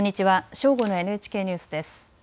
正午のＮＨＫニュースです。